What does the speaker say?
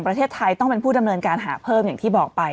ผู้ดำเนินการหาเพิ่มอย่างที่บอกไป